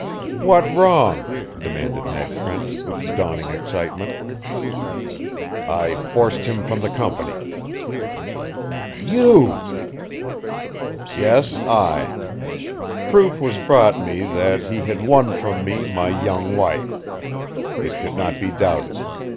"What wrong?" demanded Ned Trent, with dawning excitement. "I forced him from the Company." "You!" "Yes, I. Proof was brought me that he had won from me my young wife. It could not be doubted.